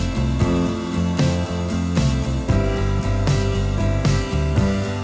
สวัสดีครับสวัสดีครับ